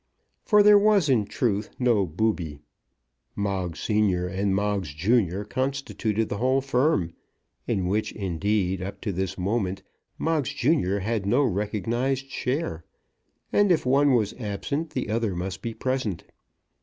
For there was, in truth, no Booby. Moggs senior, and Moggs junior, constituted the whole firm; in which, indeed, up to this moment Moggs junior had no recognised share, and if one was absent, the other must be present.